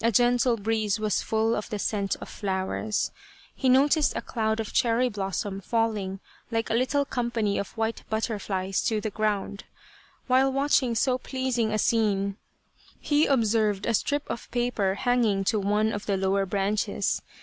A gentle breeze was full of the scent of flowers. He noticed a cloud of cherry blossom falling like a little company of white butterflies to the ground. While watching so pleasing a scene he observed a strip of paper hanging to one of the lower branches.